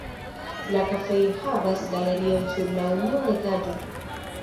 La kafejo havas galerion sur la unua etaĝo.